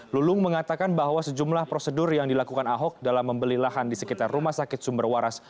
lulung mengatakan bahwa sejumlah prosedur yang dilakukan ahok dalam membeli lahan di sekitar rumah sakit sumber waras